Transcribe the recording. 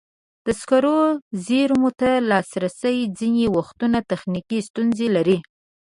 د سکرو زېرمو ته لاسرسی ځینې وختونه تخنیکي ستونزې لري.